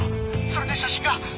それで写真が。